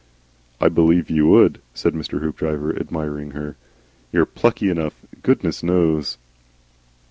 "I believe you would," said Mr. Hoopdriver, admiring her. "You're plucky enough goodness knows."